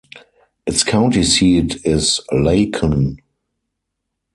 Its county seat is Lacon.